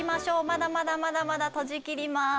まだまだまだまだ閉じきります。